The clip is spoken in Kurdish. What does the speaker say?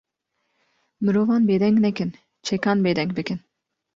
Mirovan bêdeng nekin, çekan bêdeng bikin